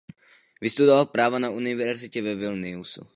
Vystudoval práva na univerzitě ve Vilniusu.